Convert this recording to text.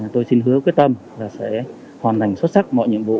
tôi xin hứa quyết tâm là sẽ hoàn thành xuất sắc mọi nhiệm vụ